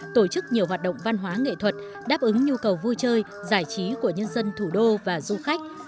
tổ chức nhiều hoạt động văn hóa nghệ thuật đáp ứng nhu cầu vui chơi giải trí của nhân dân thủ đô và du khách